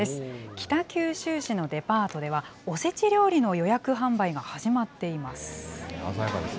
北九州市のデパートでは、おせち料理の予約販売が始まっています。